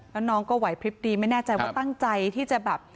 แล้วน้องก็ไหวพลิบดีไม่แน่ใจว่าตั้งใจที่จะแบบ